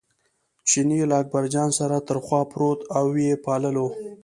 چیني له اکبرجان سره تر خوا پروت او یې پاللو.